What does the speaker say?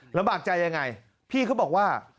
ลำบากใจยังไงพี่เขาบอกว่า